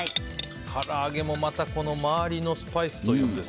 唐揚げもまた周りのスパイスというんですか。